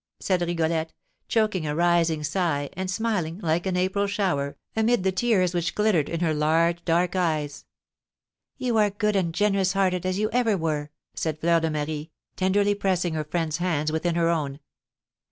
said Rigolette, choking a rising sigh, and smiling, like an April shower, amid the tears which glittered in her large dark eyes. "You are good and generous hearted, as you ever were!" said Fleur de Marie, tenderly pressing her friend's hands within her own.